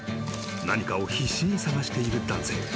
［何かを必死に探している男性］